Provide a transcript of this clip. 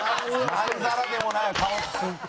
「まんざらでもないよ顔」